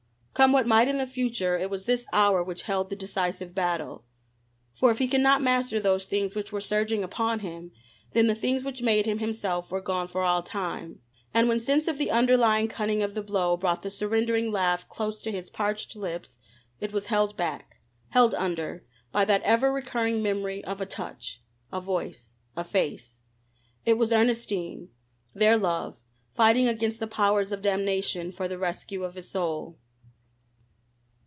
Come what might in the future, it was this hour which held the decisive battle. For if he could not master those things which were surging upon him, then the things which made him himself were gone for all time. And when sense of the underlying cunning of the blow brought the surrendering laugh close to his parched lips it was held back, held under, by that ever recurring memory of a touch, a voice, a face. It was Ernestine, their love, fighting against the powers of damnation for the rescue of his soul.